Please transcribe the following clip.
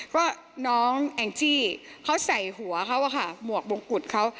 เพราะว่าน้องแองจี้เขาใส่หัวเขาค่ะหมวกบงกุฎเขา